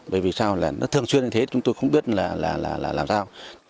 bởi vì sao là nó thường xuyên như thế chúng tôi không biết là làm sao